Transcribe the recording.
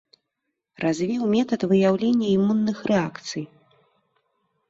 Развіў метад выяўлення імунных рэакцый.